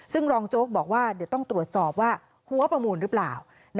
ซึ่งรองโจ๊กบอกว่าเดี๋ยวต้องตรวจสอบว่าหัวประมูลหรือเปล่า